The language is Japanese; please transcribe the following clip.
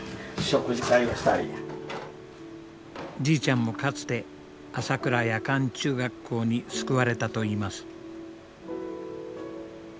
じいちゃんもかつて朝倉夜間中学校に救われたといいます。